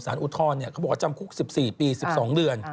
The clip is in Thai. อุทธรณ์เขาบอกว่าจำคุก๑๔ปี๑๒เดือน